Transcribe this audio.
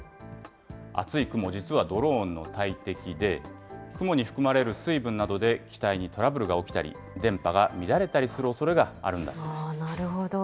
厚い雲、実はドローンの大敵で、雲に含まれる水分などで、機体にトラブルが起きたり、電波が乱れたりするおそれがあるんだそうでなるほど。